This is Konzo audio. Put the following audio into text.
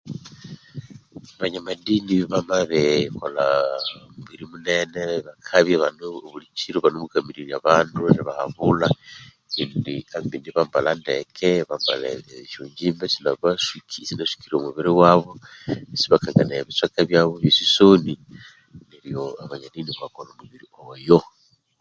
Banyamadini bamabirikolha mubiri munene bakabya obulikiri ibanemukakamirirya abandu neribahabulha indi kwambuli ibambalhabndeke ibambalha eshyongimba esinabaswikiri isisukire emibiri yabo nebitseka byabo besisoni amanyamadini bakabya ibanemukolha omubiri oyo